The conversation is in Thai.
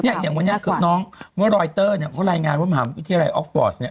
อย่างวันนี้ครับน้องเมื่อรอยเตอร์เนี่ยเขารายงานว่ามหาวิทยาลัยออกฟอร์สเนี่ย